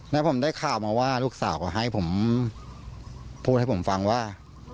แล้วผมได้ข่าวมาว่าลูกสาวก็ให้ผมพูดให้ผมฟังว่า